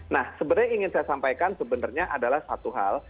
nah sebenarnya ingin saya sampaikan sebenarnya adalah satu hal